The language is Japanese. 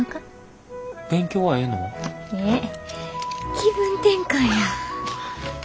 気分転換や。